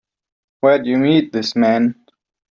Where'd you meet this man?